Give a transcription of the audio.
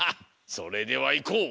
それではいこう。